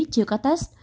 chưa có test